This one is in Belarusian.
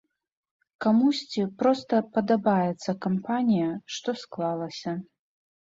Камусьці проста падабаецца кампанія, што склалася.